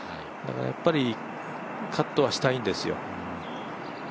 だから、やっぱりカットはしたいんですよ。